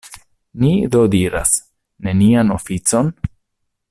Ni do diras: nenian oficon?